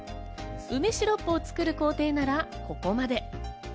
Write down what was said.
梅シロップを作る工程ならここまで。